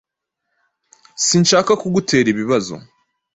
Sinshaka kugutera ibibazo.